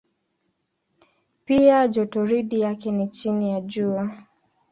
Pia jotoridi yake ni chini ya Jua.